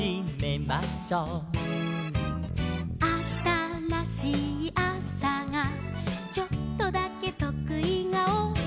「あたらしいあさがちょっとだけとくい顔」